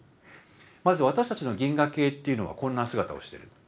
まず私たちの銀河系っていうのはこんな姿をしてる。